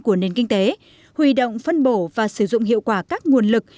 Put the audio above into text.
của nền kinh tế huy động phân bổ và sử dụng hiệu quả các nguồn lực